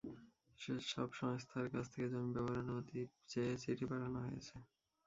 সেসব সংস্থার কাছ থেকে জমি ব্যবহারের অনুমতি চেয়ে চিঠি পাঠানো হয়েছে।